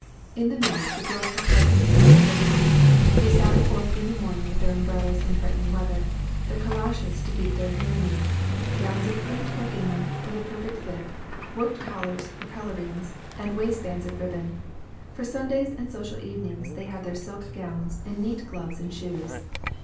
In the mills the girls have quite the appearance of ladies. They sally forth in the morning with their umbrellas in threatening weather, their calashes to keep their hair neat, gowns of print or gingham, with a perfect fit, worked collars or pelerines, and waistbands of ribbon. For Sundays and social evenings they have their silk gowns, and neat gloves and shoes.